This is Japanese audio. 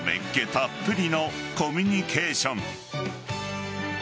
たっぷりのコミュニケーション。